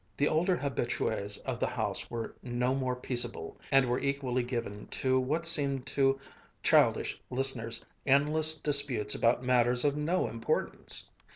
The older habitués of the house were no more peaceable and were equally given to what seemed to childish listeners endless disputes about matters of no importance.